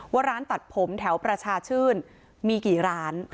ว่าร้านตัดผมแถวประชาชื่นมีกี่ร้าน